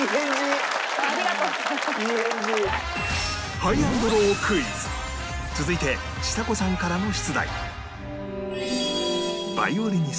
Ｈｉｇｈ＆Ｌｏｗ クイズ続いてちさ子さんからの出題